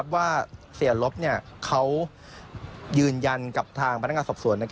ว่าเสียลบเขายืนยันกับทางพนักงานสอบสวน